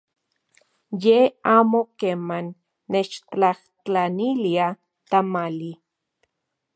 Ye amo keman nechtlajtlanilia tamali.